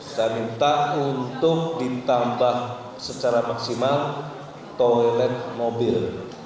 saya minta untuk ditambah secara maksimal toilet mobil